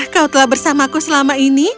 kau telah bersama aku selama ini